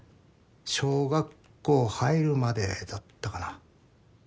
小学校入るまでだったかな。